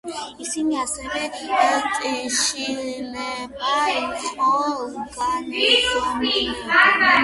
ისინი ასევე შიძლება იყო უგანზომილებო.